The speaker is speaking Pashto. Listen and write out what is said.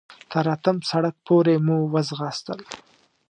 تر اتم سړک پورې مو وځغاستل.